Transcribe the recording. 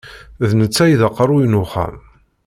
D netta i d aqerru n uxxam.